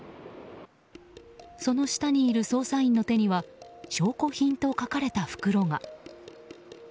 その下にいる捜査員の手には証拠品と書かれた袋が。